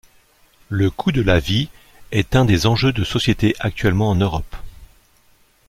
Le coût de la vie est un des enjeux de société actuellement en Europe.